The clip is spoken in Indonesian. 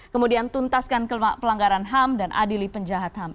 kemudian tuntaskan pelanggaran ham dan adili penjahat ham